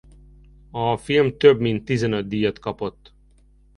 A film több mint tizenöt díjat kapott.